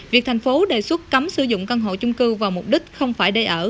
việc thành phố đề xuất cấm sử dụng căn hộ trung cư vào mục đích không phải để ở